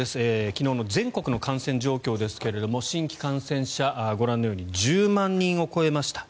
昨日の全国の感染状況ですが新規感染者、ご覧のように１０万人を超えました。